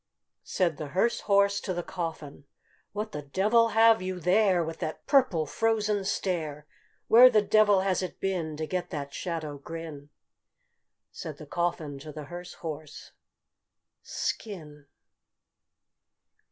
Said the hearse horse to the coffin, "What the devil have you there, With that purple frozen stare? Where the devil has it been To get that shadow grin?" Said the coffin to the hearse horse, "Skin!"